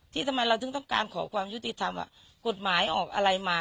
ทำไมเราถึงต้องการขอความยุติธรรมว่ากฎหมายออกอะไรมา